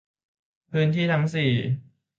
พื้นที่ทั้ง สี่